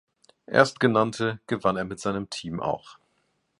Erstgenannte gewann er mit seinem Team auch.